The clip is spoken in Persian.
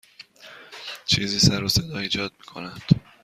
چیزی سر و صدا ایجاد می کند.